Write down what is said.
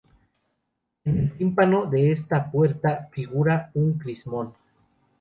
En el tímpano de esta puerta figura un crismón.